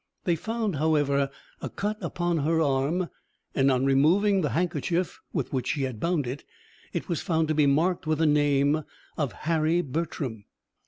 They found, however, a cut upon her arm; and on removing the handkerchief with which she had it bounda it was found to be marked with the name of Harry Bertram.